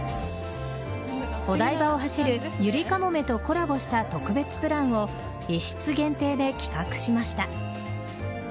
お台場を走るゆりかもめとコラボした特別プランを１室限定で企画しました。